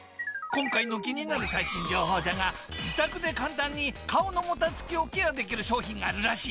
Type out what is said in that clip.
今回の気になる最新情報じゃが自宅で簡単に顔のもたつきをケアできる商品があるらしい。